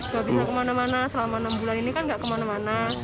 gak bisa kemana mana selama enam bulan ini kan nggak kemana mana